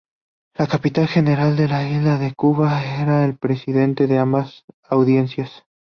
El Capitán General de la isla de Cuba era el presidente de ambas Audiencias.